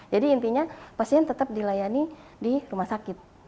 jadi intinya pasien tetap dilayani di rumah sakit